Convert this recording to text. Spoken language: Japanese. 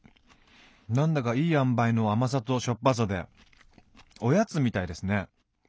何だかいい塩梅の甘さとしょっぱさでおやつみたいですね。